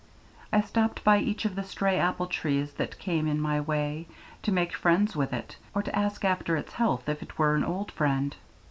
I stopped by each of the stray apple trees that came in my way, to make friends with it, or to ask after its health, if it were an old friend.